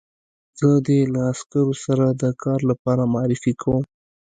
زه دې له عسکرو سره د کار لپاره معرفي کوم